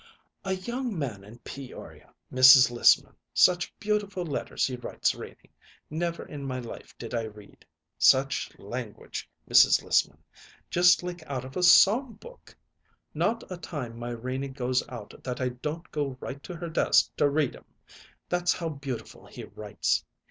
"A young man in Peoria, Mrs. Lissman, such beautiful letters he writes Renie, never in my life did I read. Such language, Mrs. Lissman; just like out of a song book! Not a time my Renie goes out that I don't go right to her desk to read 'em that's how beautiful he writes.